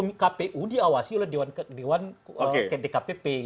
yaitu kpu diawasi oleh dewan ktkpp